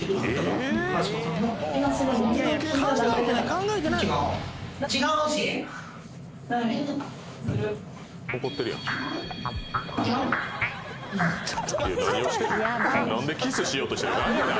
何でキスしようとしてる？